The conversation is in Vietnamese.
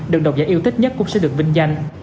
được độc giả yêu thích nhất cũng sẽ được vinh danh